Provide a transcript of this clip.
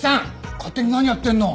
勝手に何やってるの？